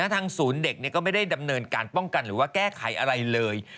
ทางศูนย์เด็กก็ไม่ได้ดำเนินการป้องกันหรือว่าแก้ไขอะไรเลย